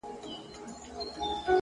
عاجزي د سترتوب نرم لباس دی!